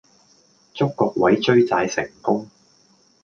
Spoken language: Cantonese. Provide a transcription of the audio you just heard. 祝各位追債成功